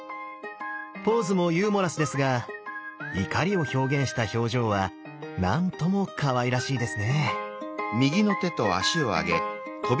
ポーズもユーモラスですが怒りを表現した表情はなんともかわいらしいですね。